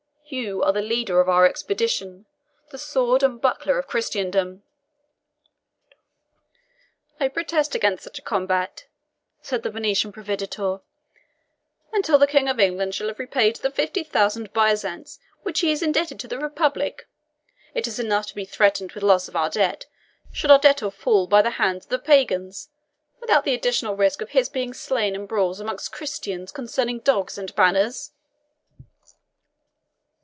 You are the leader of our expedition the sword and buckler of Christendom." "I protest against such a combat," said the Venetian proveditore, "until the King of England shall have repaid the fifty thousand byzants which he is indebted to the republic. It is enough to be threatened with loss of our debt, should our debtor fall by the hands of the pagans, without the additional risk of his being slain in brawls amongst Christians concerning dogs and banners."